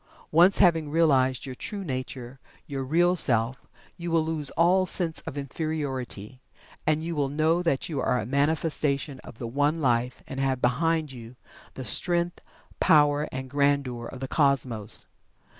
Once having realized your true nature your Real Self you will lose all sense of Inferiority, and will know that you are a manifestation of the One Life and have behind you the strength, power, and grandeur of the Cosmos.